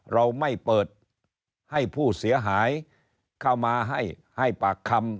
เราไม่เปิดให้ผู้เสียหายเข้ามาให้ปากคำ